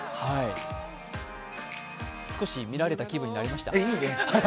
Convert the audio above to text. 少し見られた気分になりました？